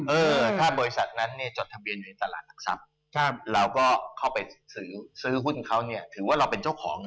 เออถ้าบริษัทนั้นเนี่ยจดทะเบียนอยู่ในตลาดหลักทรัพย์เราก็เข้าไปซื้อหุ้นเขาเนี่ยถือว่าเราเป็นเจ้าของ